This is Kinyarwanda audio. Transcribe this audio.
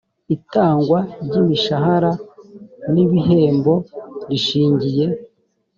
itangwa ry imishahara n ibihembo rishingiye